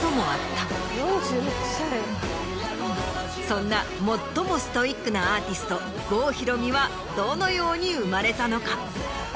そんな最もストイックなアーティスト郷ひろみはどのように生まれたのか？